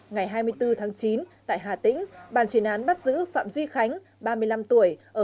ngày hai mươi bốn tháng chín tại hà tĩnh bàn chuyển án bắt giữ phạm duy khánh ba mươi năm tuổi